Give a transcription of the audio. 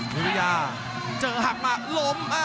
เป็นปัตยาเจอหักมาลม